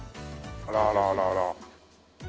あらあらあらあら。